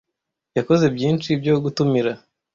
Yakoze byinshi byo gutumira.